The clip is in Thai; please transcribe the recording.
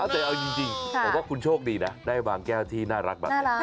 แต่เอาจริงผมว่าคุณโชคดีนะได้วางแก้วที่น่ารักแบบนี้